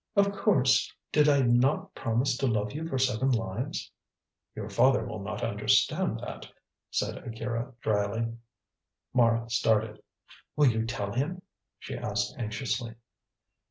"Of course. Did I not promise to love you for seven lives?" "Your father will not understand that," said Akira dryly. Mara started. "Will you tell him?" she asked anxiously.